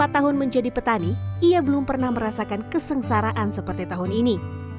tiga puluh empat tahun menjadi petani ia belum pernah merasakan kesengsaraan seperti tahun ini